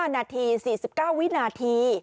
๕นาที๔๙วินาที